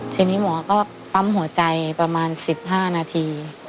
ทีนี้หมอก็ปั๊มหัวใจประมาณ๑๕นาที